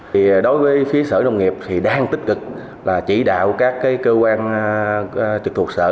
thì đối với phía sở nông nghiệp thì đang tích cực là chỉ đạo các cơ quan trực thuộc sở